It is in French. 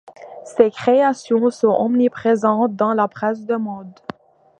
Ses créations sont omniprésentes dans la presse de mode.